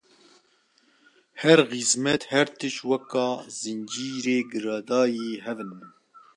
her xîzmet her tişt weka zincîrê girêdayî hev in.